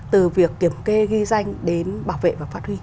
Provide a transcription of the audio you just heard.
từ việc kiểm kê ghi danh đến bảo vệ và phát huy